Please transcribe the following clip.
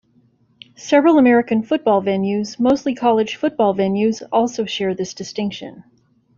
Several American football venues, mostly college football venues, also share this distinction.